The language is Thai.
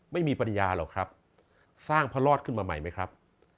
ไม่มีปริญญาหรอกครับสร้างพระรอดขึ้นมาใหม่ไหมครับ